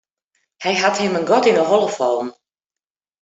Hy hat him in gat yn 'e holle fallen.